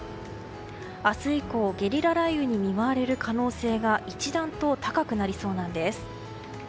明日以降ゲリラ雷雨に見舞われる可能性が一段と高くなりそうなんです。